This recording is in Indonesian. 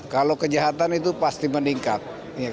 kalau kejahatan itu pasti meningkat